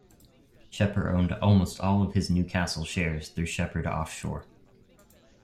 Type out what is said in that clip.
Shepherd owned almost all of his Newcastle shares through Shepherd Offshore.